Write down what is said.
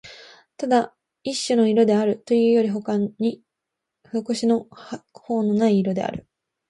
ただ一種の色であるというよりほかに評し方のない色である